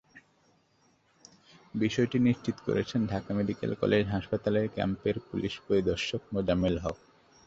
বিষয়টি নিশ্চিত করেছেন ঢাকা মেডিকেল কলেজ হাসপাতাল ক্যাম্পের পুলিশ পরিদর্শক মোজাম্মেল হক।